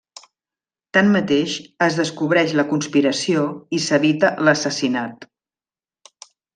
Tanmateix, es descobreix la conspiració i s'evita l'assassinat.